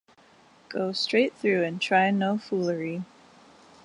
Go straight through and try no foolery.